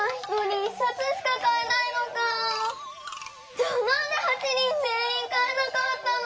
じゃあなんで８人ぜんいんかえなかったの？